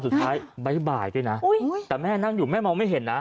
สุดท้ายบ๊ายบ่ายด้วยนะแต่แม่นั่งอยู่แม่มองไม่เห็นนะ